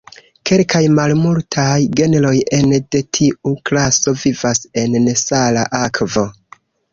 Kelkaj malmultaj genroj ene de tiu klaso vivas en nesala akvo.